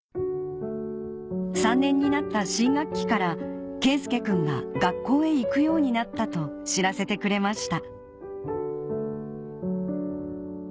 ３年になった新学期から佳祐くんが学校へ行くようになったと知らせてくれました